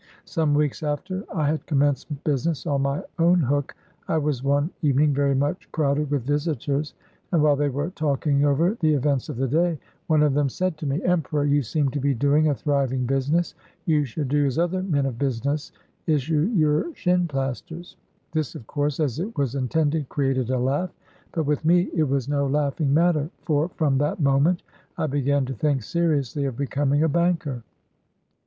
Some weeks after I had commenced business on my 'own hook/ I was one evening very much crowded with visitors, and while they were talking over the events of the day, one of them said to me, —' Emperor, you seem to be doing a thriving bnsiness : you should do as other men of busi ness, issue your shin plasters. J This, of course, as it was intended, created a laugh ; but with me it was no laughing matter, for from that moment, I began to think seriously of becoming a banker.